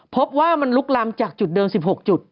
พบว่ามันลุกลำจากจุดเดิม๑๖จุด